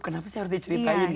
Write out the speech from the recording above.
kenapa saya harus diceritain